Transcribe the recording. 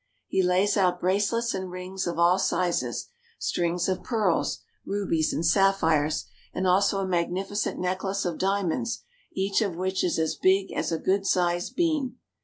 He lays out bracelets and rings of all sizes, strings of pearls, rubies, and sapphires, and also a magnificent necklace of diamonds, each of which is as big as a good sized bean.